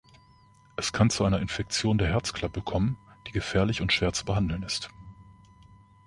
Es kann zu einer Infektion der Herzklappe kommen, die gefährlich und schwer zu behandeln ist.